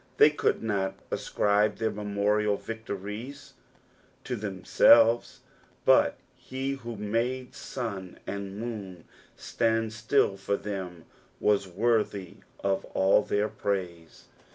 They could not ascribe their memorable fictories to themselTCH : he who made sun and moon stand still for them was worthy of all their t>raise.